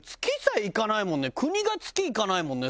国が月行かないもんね